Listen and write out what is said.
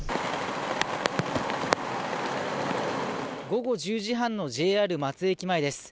午後１０時半のＪＲ松江駅前です。